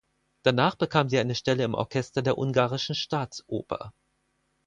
Danach bekam sie eine Stelle im Orchester der Ungarischen Staatsoper.